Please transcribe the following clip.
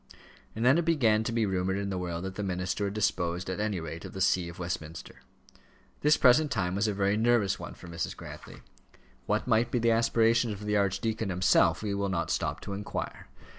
And then it began to be rumoured in the world that the minister had disposed at any rate of the see of Westminster. This present time was a very nervous one for Mrs. Grantly. What might be the aspirations of the archdeacon himself, we will not stop to inquire.